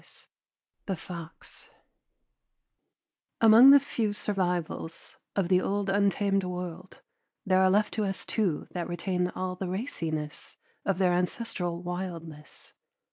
LIV THE FOX Among the few survivals of the old untamed world there are left us two that retain all the raciness of their ancestral wildness.